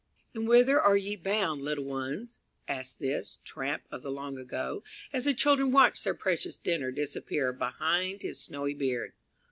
"And wither are ye bound, little ones?" asked this "tramp" of the long ago, as the children watched their precious dinner disappear behind his snowy beard.